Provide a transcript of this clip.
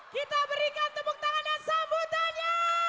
kita berikan tepuk tangan dan sambutannya